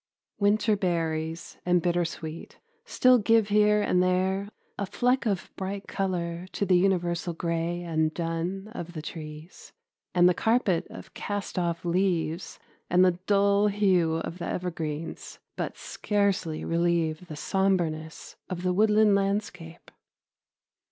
Winter berries and bittersweet still give here and there a fleck of bright color to the universal gray and dun of the trees, and the carpet of cast off leaves and the dull hue of the evergreens but scarcely relieve the sombreness of the woodland landscape.